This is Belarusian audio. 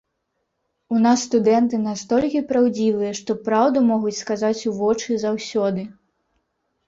У нас студэнты настолькі праўдзівыя, што праўду могуць сказаць у вочы заўсёды.